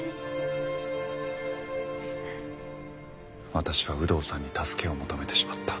私は有働さんに助けを求めてしまった。